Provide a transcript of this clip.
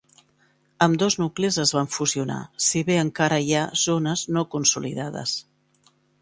Ambdós nuclis es van fusionar, si bé encara hi ha zones no consolidades.